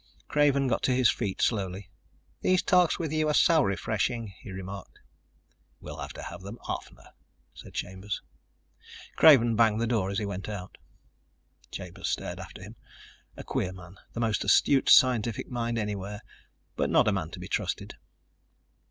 Craven got to his feet slowly. "These talks with you are so refreshing," he remarked. "We'll have to have them oftener," said Chambers. Craven banged the door as he went out. Chambers stared after him. A queer man, the most astute scientific mind anywhere, but not a man to be trusted.